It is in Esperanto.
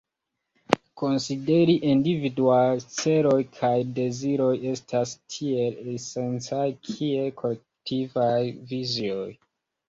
Konsideri individuaj celoj kaj deziroj estas tiel esencaj kiel kolektivaj vizioj.